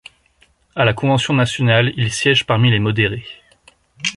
À la Convention nationale, il siège parmi les modérés.